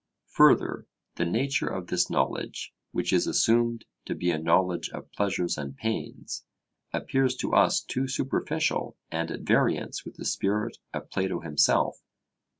Further, the nature of this knowledge, which is assumed to be a knowledge of pleasures and pains, appears to us too superficial and at variance with the spirit of Plato himself.